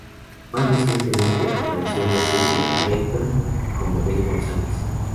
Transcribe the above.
Más recientemente apareció en la serie "Reaper" como Ben Gonzalez.